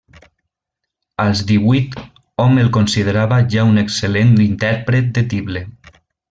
Als divuit hom el considerava ja un excel·lent intèrpret de tible.